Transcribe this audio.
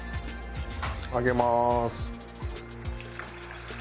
揚げます！